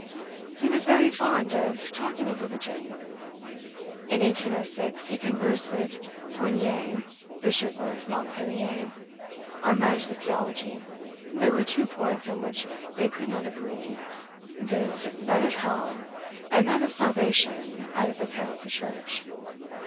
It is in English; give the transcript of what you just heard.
He was very fond of talking of religion. In 1806, he conversed with Fournier, bishop of Montpelier, on matters of theology. There were two points on which they could not agree, viz., that of hell, and that of salvation out of the pale of the church.